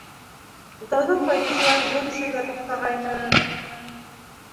Утауҙан ҡайтышлай, һыу төшөргә туҡтағайныҡ...